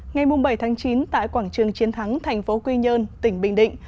ngày bảy chín tại quảng trường chiến thắng tp quy nhơn tỉnh bình định